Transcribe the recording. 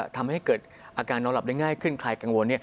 ทำให้เกิดอาการนอนหลับได้ง่ายขึ้นใครกังวล